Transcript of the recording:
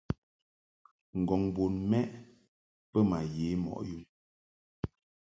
Ngɔŋ bun mɛʼ bə ma ye mɔʼ yum.